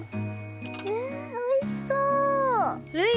うわあおいしそう！